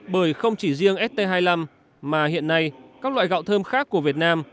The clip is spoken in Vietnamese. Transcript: bởi không chỉ riêng st hai mươi năm mà hiện nay các loại gạo thơm khác của việt nam